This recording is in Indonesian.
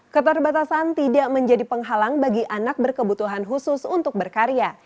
keterbatasan tidak menjadi penghalang bagi anak berkebutuhan khusus untuk berkarya